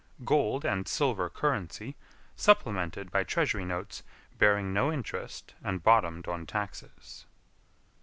Gold and silver currency supplemented by treasury notes bearing no interest and bottomed on taxes.